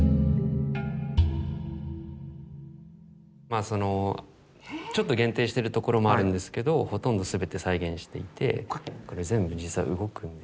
まあそのちょっと限定してるところもあるんですけどほとんど全て再現していてこれ全部実は動くんです。